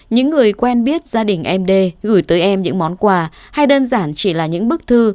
những người quen biết gia đình em đê gửi tới em những món quà hay đơn giản chỉ là những bức thư